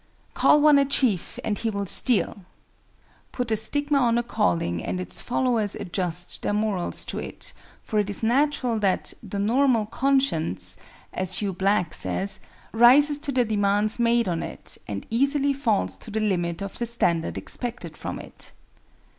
"Call one a thief and he will steal:" put a stigma on a calling and its followers adjust their morals to it, for it is natural that "the normal conscience," as Hugh Black says, "rises to the demands made on it, and easily falls to the limit of the standard expected from it."